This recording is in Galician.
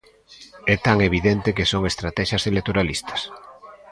É tan evidente que son estratexias electoralistas.